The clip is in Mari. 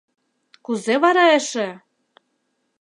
Кузе вара эше!